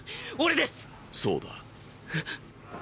そうだ。え？